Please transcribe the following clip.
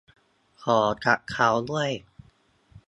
ขอกะเค้าด้วย